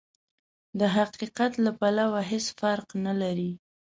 د حقيقت له پلوه هېڅ فرق نه لري.